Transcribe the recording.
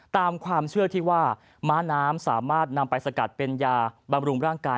ตามความเชื่อที่ว่าม้าน้ำสามารถนำไปสกัดเป็นยาบำรุงร่างกาย